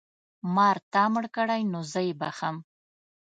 مار تا مړ کړی نو زه یې بښم.